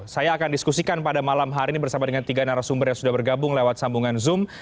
saya akan diskusikan pada malam hari ini bersama dengan tiga narasumber yang sudah bergabung lewat sambungan zoom